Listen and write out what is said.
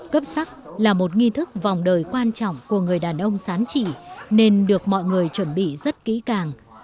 cấp sắc là một nghi thức vòng đời quan trọng của người đàn ông sán trị nên được mọi người chuẩn bị rất kỹ càng